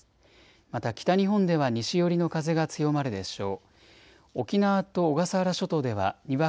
また北日本では西寄りの風が強まるでしょう。